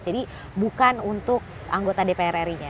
jadi bukan untuk anggota dprr nya